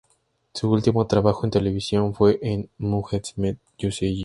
Su último trabajo en televisión fue en "Muhteşem Yüzyıl".